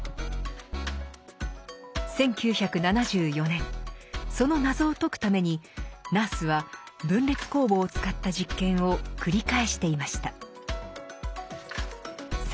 １９７４年その謎を解くためにナースは分裂酵母を使った実験を繰り返していました。